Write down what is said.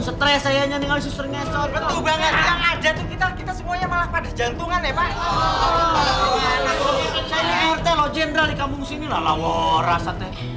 stres saya nyanyi alis sukses betul banget yang ada kita kita semuanya malah pada jantungan ya pak